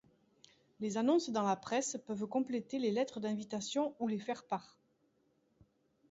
Les annonces dans la presse peuvent compléter les lettres d'invitation ou les faire-part.